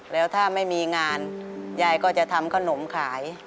แล้วถ้าไม่มีงานยายก็จะทำขนมขาย